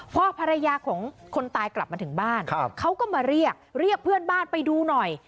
พอภรรยาของคนตายกลับมาถึงบ้านเขาก็มาเรียกเรียกเพื่อนบ้านไปดูหน่อย